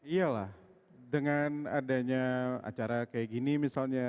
iya lah dengan adanya acara kayak gini misalnya